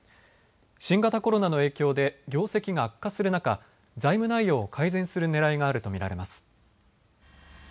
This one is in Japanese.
新型コロナの影響で業績が悪化する中、財務内容を改善するねらいがあると見られます。